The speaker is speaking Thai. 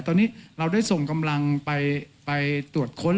ตอนนี้เราได้ส่งกำลังไปตรวจค้น